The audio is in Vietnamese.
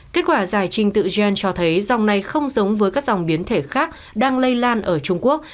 kết quả giải trình tự gen cho thấy dòng này không giống với các dòng biến thể khác đang lây lan ở trung quốc